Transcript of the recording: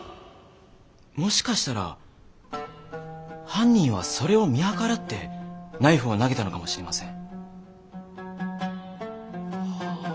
もしかしたら犯人はそれを見計らってナイフを投げたのかもしれません。